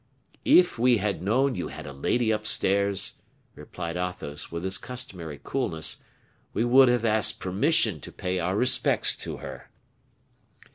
"If we had known you had a lady upstairs," replied Athos, with his customary coolness, "we would have asked permission to pay our respects to her."